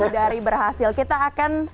dari berhasil kita akan